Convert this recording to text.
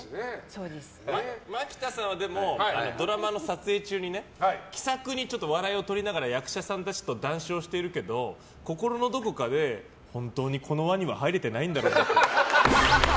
マキタさんは、でもドラマの撮影中にね気さくに笑いをとりながら役者さんたちと談笑しているけど、心のどこかで本当に、この輪には入れてないんだろうなって。